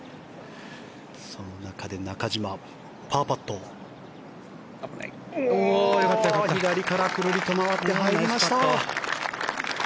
その中で中島のパーパット左からくるりと回って、入りました。